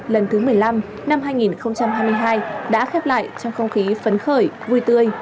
lần thứ một mươi năm năm hai nghìn hai mươi hai đã khép lại trong không khí phấn khởi vui tươi